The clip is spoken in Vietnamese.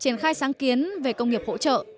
triển khai sáng kiến về công nghiệp hỗ trợ